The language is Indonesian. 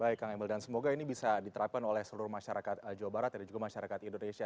baik kang emil dan semoga ini bisa diterapkan oleh seluruh masyarakat jawa barat dan juga masyarakat indonesia